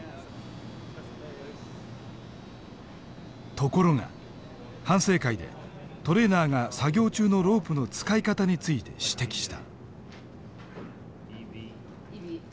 ところが反省会でトレーナーが作業中のロープの使い方について指摘した。